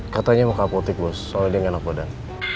katanya mau ke apotek bos soalnya dia gak enak badan